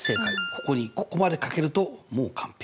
ここにここまで書けるともう完璧。